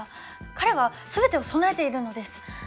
彼は全てを備えているのです。